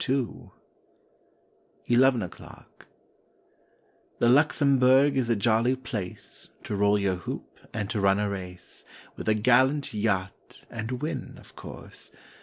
• TEN O'CLOCK 19 ELEVEN O'CLOCK T he Luxembourg is a jolly place To roll your hoop, and to run a race With a gallant yacht, and win, of course.